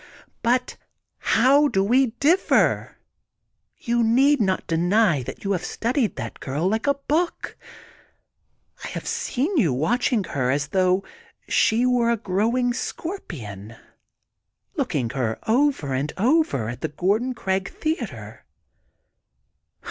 But how do we differ? You need not deny you have studied that girl like a book. I have seen you watching her as though she were a growing scorpion, looking Jier over and over, at the Gordon Craig Theatre.